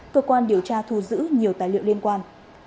cơ quan điều tra thu giữ nhiều tài liệu liên quan